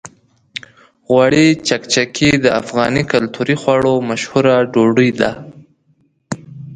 غوړي چکچکي د افغاني کلتوري خواړو مشهوره ډوډۍ ده.